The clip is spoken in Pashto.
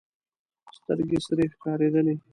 سترګې سرې ښکارېدلې.